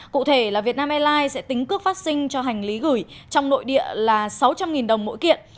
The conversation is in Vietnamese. cụ thể là việt nam airlines sẽ tính cước phát sinh cho hành lý gửi trong nội địa là sáu trăm linh đồng mỗi kiện